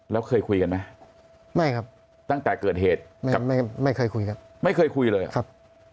แล้วเคยคุยกันไหมไม่ครับตั้งแต่เกิดเหตุไม่ไม่เคยคุยครับไม่เคยคุยเลยครับ